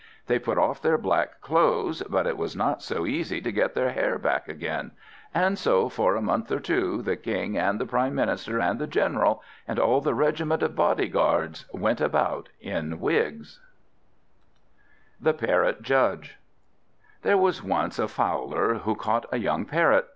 They put off their black clothes, but it was not so easy to get their hair back again; and so for a month or two the King, and the Prime Minister, and the General, and all the regiment of Body Guards, went about in wigs. The Parrot Judge THERE was once a Fowler who caught a young Parrot.